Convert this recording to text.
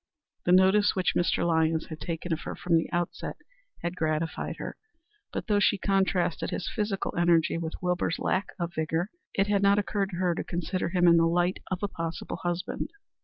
The notice which Mr. Lyons had taken of her from the outset had gratified her, but though she contrasted his physical energy with Wilbur's lack of vigor, it had not occurred to her to consider him in the light of a possible husband.